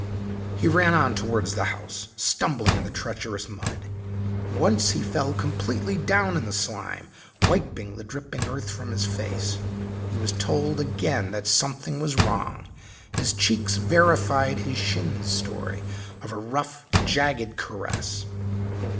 He ran on towards the house, stumbling in the treacherous mud. Once he fell completely down in the slime. Wiping the dripping earth from his face, he was told again that something was wrong. His cheeks verified his shin's story of a rough, jagged caress.